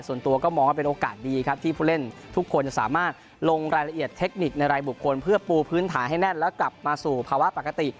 ส่วนตัวก็มองว่าเป็นโอกาสดีครับที่ผู้เล่นทุกคนจะสามารถลงรายละเอียดเทคนิคในรายบุคคลเพื่อปูพื้นฐานให้แน่นแล้วกลับมาสู่ภาวะปกติ